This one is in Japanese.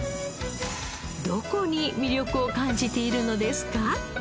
どこに魅力を感じているのですか？